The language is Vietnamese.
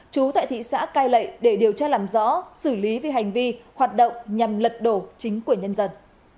chú tại thị xã cai lệ để điều tra làm rõ xử lý về hành vi hoạt động nhằm lật đổ chính của nhân dân